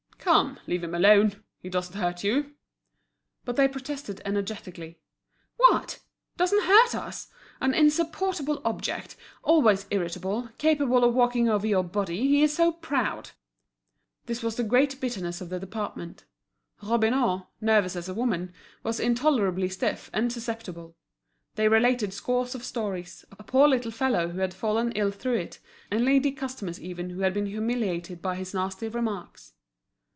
"Come, leave him alone, he doesn't hurt you." But they protested energetically. "What! doesn't hurt us! An insupportable object, always irritable, capable of walking over your body, he's so proud!" This was the great bitterness of the department. Robineau, nervous as a woman, was intolerably stiff and susceptible. They related scores of stories, a poor little fellow who had fallen ill through it, and lady customers even who had been humiliated by his nasty remarks.